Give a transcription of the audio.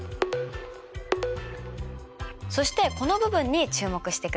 そしてこの部分に注目してください。